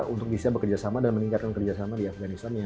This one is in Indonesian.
untuk bisa bekerjasama dan meningkatkan kerjasama di afganistan